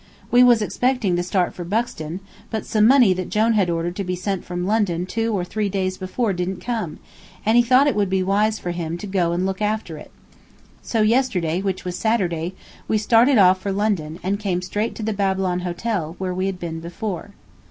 We was expecting to start for Buxton, but some money that Jone had ordered to be sent from London two or three days before didn't come, and he thought it would be wise for him to go and look after it. So yesterday, which was Saturday, we started off for London, and came straight to the Babylon Hotel, where we had been before.